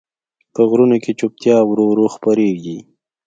په غرونو کې چوپتیا ورو ورو خپرېږي.